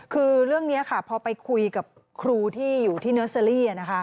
คือเรื่องนี้ค่ะพอไปคุยกับครูที่อยู่ที่เนอร์เซอรี่